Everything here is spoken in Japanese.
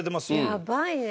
やばいね。